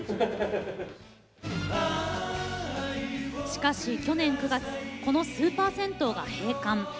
しかし去年９月このスーパー銭湯が閉館。